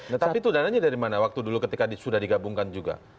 tapi itu dananya dari mana waktu dulu ketika sudah digabungkan juga